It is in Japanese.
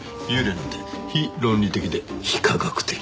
幽霊なんて非論理的で非科学的。